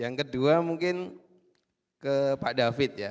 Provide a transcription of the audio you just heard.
yang kedua mungkin ke pak david ya